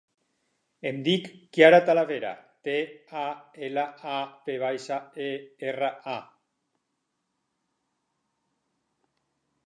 Em dic Chiara Talavera: te, a, ela, a, ve baixa, e, erra, a.